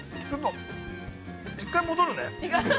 １回戻るね。